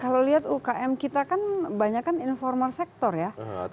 kalau lihat ukm kita kan banyak kan informal sector ya